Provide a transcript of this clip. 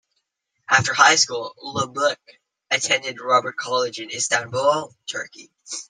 After high school, Luebke attended Robert College in Istanbul, Turkey.